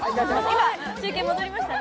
今、中継戻りましたね。